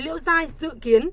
hai mươi chín liễu dai dự kiến